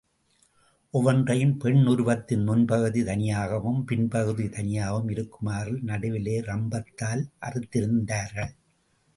ஒவ்வொன்றையும் பெண் உருவத்தின் முன்பகுதி தனியாகவும், பின்பகுதி தனியாகவும் இருக்குமாறு நடுவிலே ரம்பத்தால் அறுத்திருந்தார்கள்.